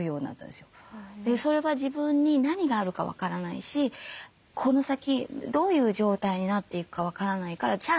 それは自分に何があるか分からないしこの先どういう状態になっていくか分からないからじゃあ